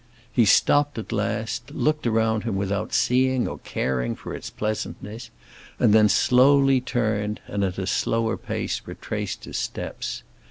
He stopped at last, looked around him without seeing or caring for its pleasantness, and then slowly turned and at a slower pace retraced his steps.